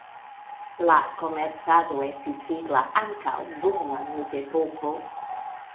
La komercado estis vigla ankaŭ dum la mezepoko.